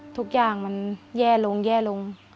ทุกอย่างมันแย่ลงแย่ลง